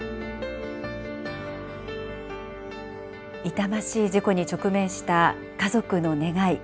痛ましい事故に直面した家族の願い。